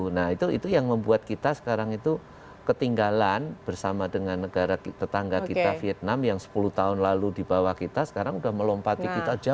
nah itu yang membuat kita sekarang itu ketinggalan bersama dengan negara tetangga kita vietnam yang sepuluh tahun lalu di bawah kita sekarang sudah melompati kita aja